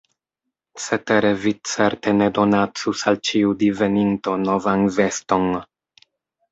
Cetere vi certe ne donacus al ĉiu diveninto novan veston.